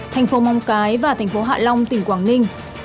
thành phố móng cái và thành phố hạ long tỉnh quảng ninh